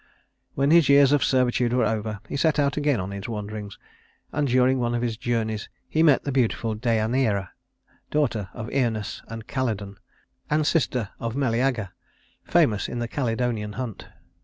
When his years of servitude were over, he set out again on his wanderings; and during one of his journeys he met the beautiful Deïaneira, daughter of Œneus of Calydon and sister of Meleager, famous in the Calydonian hunt.